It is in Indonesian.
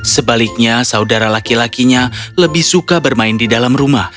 sebaliknya saudara laki lakinya lebih suka bermain di dalam rumah